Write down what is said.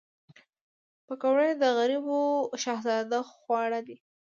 پکورې د غریبو شهزاده خواړه دي